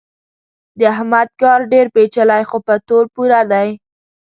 د احمد کار ډېر پېچلی خو په تول پوره دی.